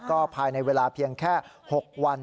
ก็ภายในเวลาเพียงแค่๖วัน